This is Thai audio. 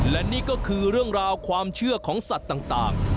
และนี่ก็คือเรื่องราวความเชื่อของสัตว์ต่าง